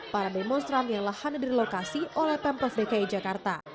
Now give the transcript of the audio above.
para demonstran yang lahan dirilokasi oleh pemprov dki jakarta